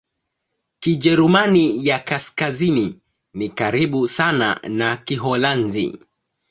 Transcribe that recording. Kijerumani ya Kaskazini ni karibu sana na Kiholanzi.